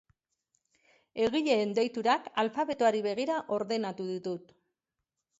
Egileen deiturak alfabetoari begira ordenatu ditut.